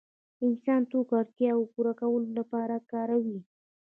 انسان توکي د اړتیاوو پوره کولو لپاره کاروي.